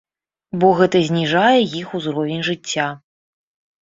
Бо гэта зніжае іх узровень жыцця.